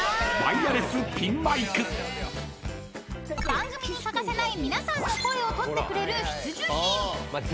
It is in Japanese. ［番組に欠かせない皆さんの声をとってくれる必需品］